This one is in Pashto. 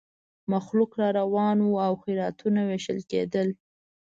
مخلوق را روان وو او خیراتونه وېشل کېدل.